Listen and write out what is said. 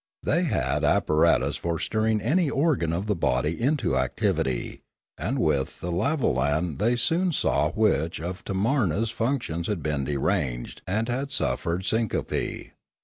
They had apparatus for stirring any organ of the body into activity; and with the lavolan they soon saw which of Tamarna' s functions had been deranged and had suffered syncope.